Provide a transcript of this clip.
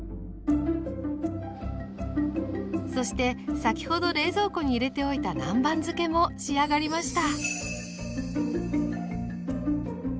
そして先ほど冷蔵庫に入れておいた南蛮漬けも仕上がりました。